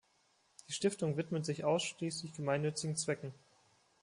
Die Stiftung widmet sich ausschließlich gemeinnützigen Zwecken.